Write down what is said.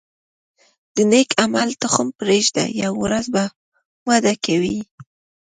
د نیک عمل تخم پرېږده، یوه ورځ به وده کوي.